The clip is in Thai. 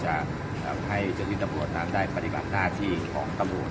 ให้จถิตรบรวดน้ำได้ปฏิบัติหน้าที่ของตะโมน